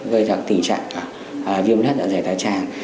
gây ra tình trạng viêm lết dạ dày thái tràng